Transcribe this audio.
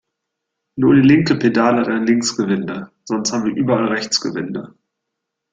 Nur die linke Pedale hat ein Linksgewinde, sonst haben wir überall Rechtsgewinde.